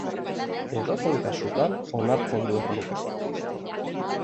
Edozein kasutan, onartzen du erronka.